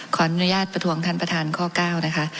ขออนุญาตประท้วงท่านประธานข้อ๙นะคะ